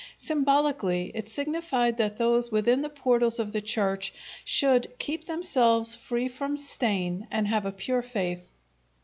Symbolically, it signified that those within the portals of the Church should keep themselves free from stain and have a pure faith.